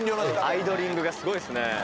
アイドリングがすごいですね。